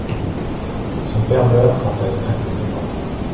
Son père meurt quand elle n'a que neuf ans.